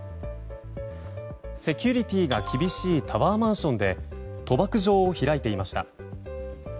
セキュリティーが厳しいタワーマンションで賭博場を開いていました。